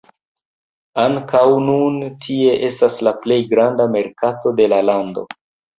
Ankaŭ nun tie estas la plej granda merkato de la lando.